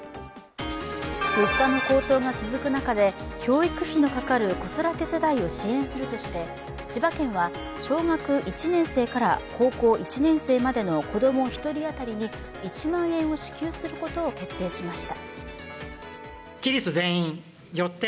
物価の高騰が続く中で教育費のかかる子育て世代を支援するとして千葉県は、小学１年生から高校１年生までの子供１人当たりに１万円を支給することを決定しました。